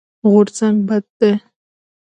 غورځنګ بد دی.